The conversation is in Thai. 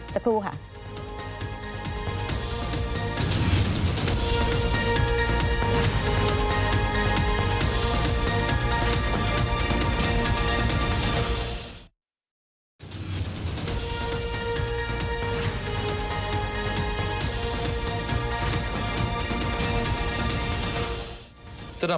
สักครู่ค่ะ